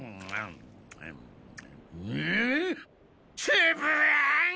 つぶあん！？